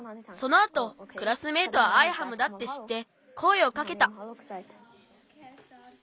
そのあとクラスメートはアイハムだってしってこえをかけた。